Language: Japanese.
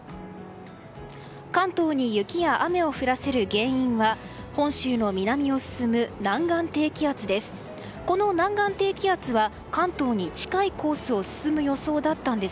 関東に雪や雨を降らせる原因は本州の南を進む南岸低気圧です。